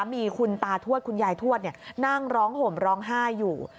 มีคุณตาทวดคุณยายทวดนั่งร้องห่มร้องไห้อยู่